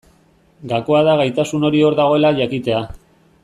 Gakoa da gaitasun hori hor dagoela jakitea.